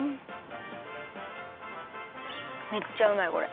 めっちゃうまいこれ。